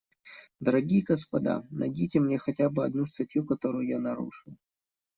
Дорогие господа, найдите мне хотя бы одну статью, которую я нарушил.